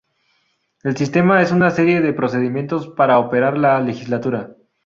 El sistema es una serie de procedimientos para operar la legislatura.